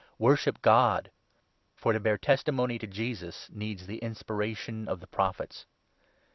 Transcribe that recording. Worship God. For to bear testimony to Jesus needs the inspiration of the Prophets.'